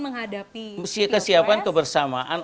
menghadapi pks kesiapan kebersamaan